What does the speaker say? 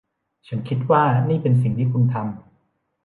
ฉันคิดว่านี่เป็นสิ่งที่คุณทำ